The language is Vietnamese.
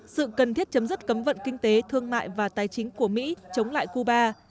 sự cần thiết chấm dứt cấm vận kinh tế thương mại và tài chính của mỹ chống lại cuba